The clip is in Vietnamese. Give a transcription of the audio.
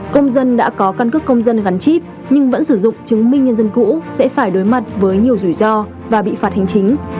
công dân đã có căn cước công dân gắn chip nhưng vẫn sử dụng chứng minh nhân dân cũ sẽ phải đối mặt với nhiều rủi ro và bị phạt hành chính